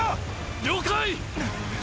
了解！